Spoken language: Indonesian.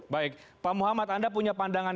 baik pak muhammad anda punya pandangan